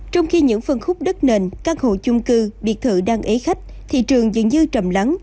trong khi những phân khúc đất nền căn hộ chung cư biệt thự đang ế khách thị trường dường như trầm lắng